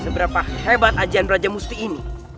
seberapa hebat ajaan raja musti ini